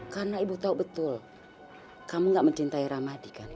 karena ibu tau betul kamu gak mencintai rahmadi kan ibu